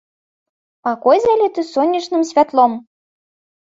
Пакой заліты сонечным святлом.